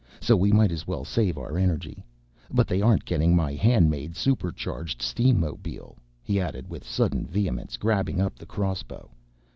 So we might as well save our energy. But they aren't getting my handmade, super charged steamobile!" he added with sudden vehemence, grabbing up the crossbow.